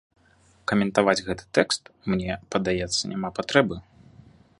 Каментаваць гэты тэкст, мне падаецца, няма патрэбы.